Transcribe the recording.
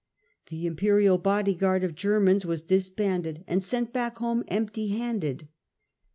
The imperial body guard of Germans was disbanded and sent back home empty handed.